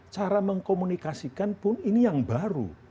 cara mengkomunikasikan pun ini yang baru